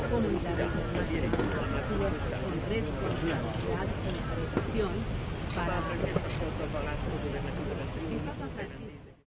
โรงพยาบาลโรงพยาบาลโรงพยาบาลโรงพยาบาลโรงพยาบาลโรงพยาบาลโรงพยาบาลโรงพยาบาลโรงพยาบาลโรงพยาบาลโรงพยาบาลโรงพยาบาล